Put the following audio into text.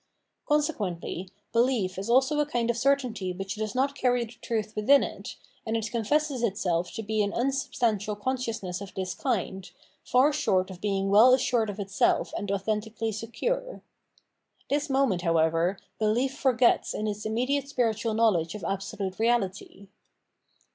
Consequently belief is also a kind of certainty which does not carry the truth within it, and it con fesses itself to be an unsubstantial consciousness of this kind, far short of being well assured of itself and authentically secure. This moment, however, belief forgets in its immediate spiritual knowledge of absolute Reality.